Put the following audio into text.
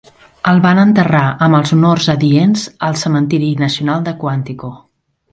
El van enterrar amb els honors adients al Cementiri Nacional de Quantico.